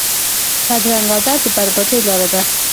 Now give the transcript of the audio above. بدرنګه عادت د بربادۍ لاره ده